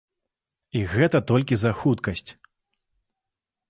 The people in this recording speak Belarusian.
І гэта толькі за хуткасць.